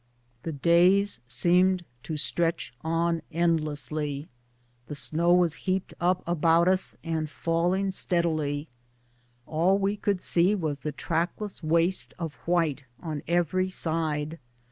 The days seemed to stretch on endlessly ; the snow was heaped up about us and falling steadily. All we could see was the trackless waste of white on every side.